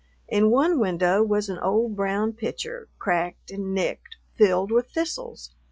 In one window was an old brown pitcher, cracked and nicked, filled with thistles.